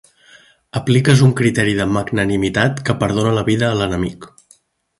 Apliques un criteri de magnanimitat que perdona la vida a l'enemic.